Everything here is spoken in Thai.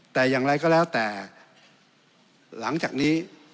แต่อย่างไรก็แล้วแต่หลังจากนี้